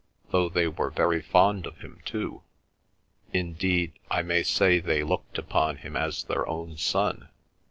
—though they were very fond of him too. Indeed, I may say they looked upon him as their own son.